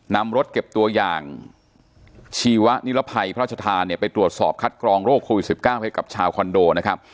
นำรถเก็บตัวอย่างชีวนิรภัยพระราชทานเนี่ยไปตรวจสอบคัดกรองโรคโควิด๑๙ให้กับชาวคอนโดนะครับ